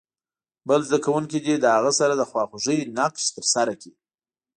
بل زده کوونکی دې له هغه سره د خواخوږۍ نقش ترسره کړي.